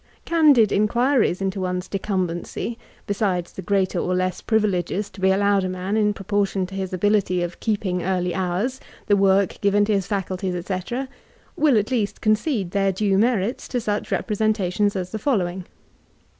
Candid inquiries into one's decumbency, besides the greater or less privileges to be allowed a man in proportion to his ability ci keeping early hours, the work given his faculties, &c., will at least con cede their due merits to sndi representations as the following.